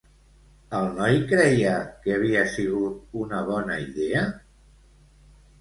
El noi creia que havia sigut una bona idea?